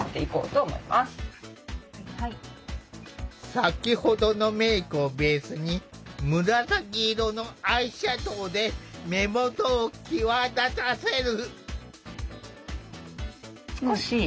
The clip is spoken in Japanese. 先ほどのメークをベースに紫色のアイシャドウで目元を際立たせる。